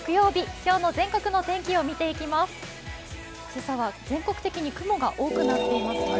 今朝は全国的に雲が多くなっていますよね。